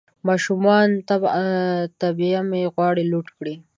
ماشومه طبعه مې غواړي لوټ کړي